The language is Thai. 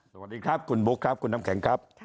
สวัสดีครับคุณบุ๊คครับคุณน้ำแข็งครับ